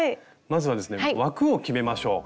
まずはですね枠を決めましょう。